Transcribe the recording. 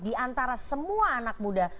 di antara semua anak muda